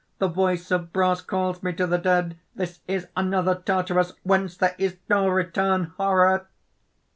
The voice of brass calls me to the dead. This is another Tartarus, whence there is no return! Horror!"